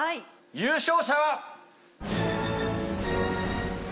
優勝者は。